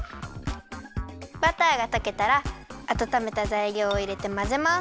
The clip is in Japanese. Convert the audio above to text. バターがとけたらあたためたざいりょうをいれてまぜます。